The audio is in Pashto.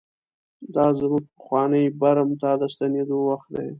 دا زموږ پخواني برم ته د ستنېدو وخت دی.